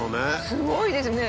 すごいですね！